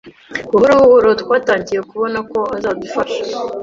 Buhoro buhoro twatangiye kubona ko atazadufasha